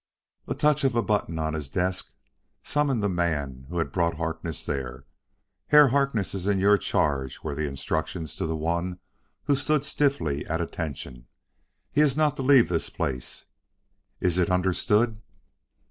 A touch of a button on his desk summoned the man who had brought Harkness there. "Herr Harkness is in your charge," were the instructions to the one who stood stiffly at attention. "He is not to leave this place. Is it understood?"